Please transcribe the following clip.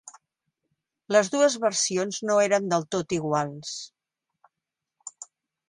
Les dues versions no eren del tot iguals.